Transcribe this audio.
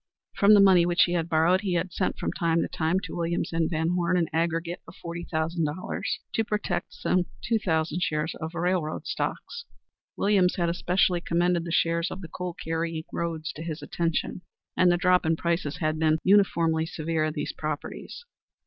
From the money which he had borrowed he had sent, from time to time, to Williams and Van Horne an aggregate of forty thousand dollars to protect some two thousand shares of railroad stocks. Williams had especially commended the shares of the coal carrying roads to his attention, and the drop in prices had been uniformly severe in these properties.